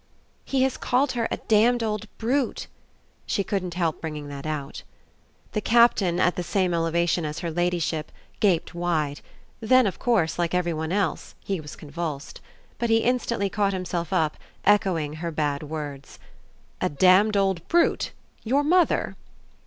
"He has called her a damned old brute." She couldn't help bringing that out. The Captain, at the same elevation as her ladyship, gaped wide; then of course, like every one else, he was convulsed. But he instantly caught himself up, echoing her bad words. "A damned old brute your mother?"